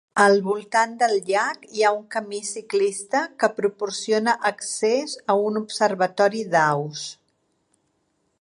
Al voltant del llac hi ha un camí ciclista que proporciona accés a un observatori d'aus.